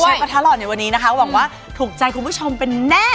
กระทะหล่อในวันนี้นะคะหวังว่าถูกใจคุณผู้ชมเป็นแน่